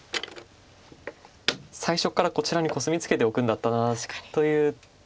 最初からこちらにコスミツケておくんだったなという。